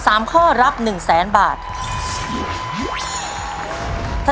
ใช่นักร้องบ้านนอก